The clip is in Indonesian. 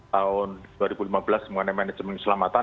tahun dua ribu lima belas mengenai manajemen keselamatan